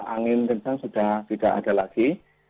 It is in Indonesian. angin kencang sudah tidak ada lagi